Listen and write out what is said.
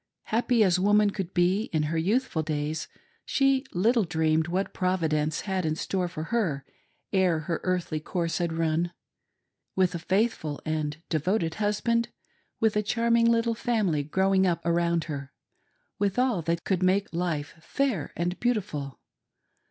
Happy as woman could be in her youthful days, she little dreamed what Providence had in store for her ere her earthly course had run. With a faithful and devoted husband ; with a charming little family growing up around her ; with all that could make life fair and beautiful.